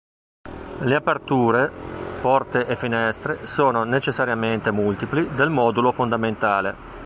Le aperture, porte e finestre, sono necessariamente multipli del modulo fondamentale.